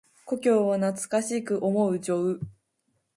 故郷を懐かしく思う情。